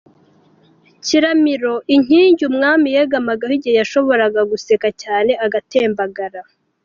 kiramiro, inkingi umwami yegamagaho igihe yashobora guseka cyane agatembagara.